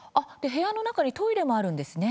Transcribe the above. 部屋の中にトイレもあるんですね。